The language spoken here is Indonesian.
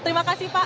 terima kasih pak